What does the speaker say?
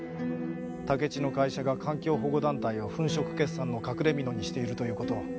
竹地の会社が環境保護団体を粉飾決算の隠れみのにしているという事を。